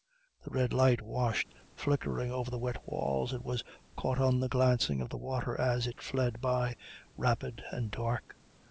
The red light washed flickering over the wet walls, and was caught on the glancing of the water as it fled by, rapid and dark.